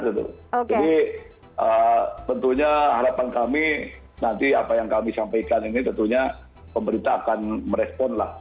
jadi tentunya harapan kami nanti apa yang kami sampaikan ini tentunya pemerintah akan merespon lah